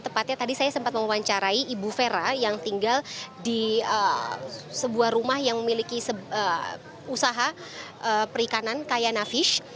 tepatnya tadi saya sempat mewawancarai ibu vera yang tinggal di sebuah rumah yang memiliki usaha perikanan kayak nafish